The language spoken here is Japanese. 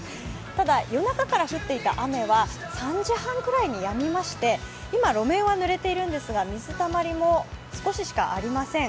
ただ、夜中から降っていた雨は３時半くらいにやみまして、今路面はぬれているんですが、水たまりも少ししかありません。